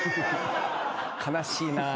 悲しいなぁ。